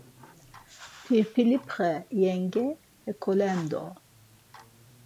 Pirpilipxe yenge hekolendo…